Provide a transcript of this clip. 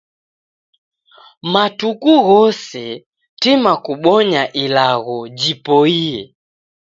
Matuku ghose, tima kubonya ilagho jipoiye.